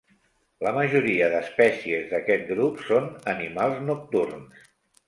La majoria d'espècies d'aquest grup són animals nocturns.